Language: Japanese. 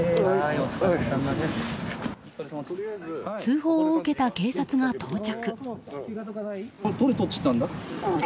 通報を受けた警察が到着。